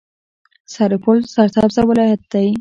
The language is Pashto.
سرپل سرسبزه ولایت دی.